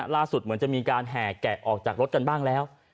เหมือนจะมีการแห่แกะออกจากรถกันบ้างแล้ว